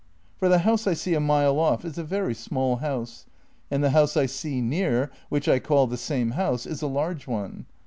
For the house I see a mile off is a very small house, and the house I see near, which I call "the same house," is a large one.